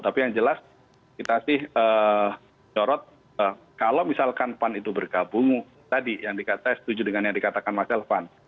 tapi yang jelas kita sih corot kalau misalkan pan itu bergabung tadi yang dikatakan setuju dengan yang dikatakan mas elvan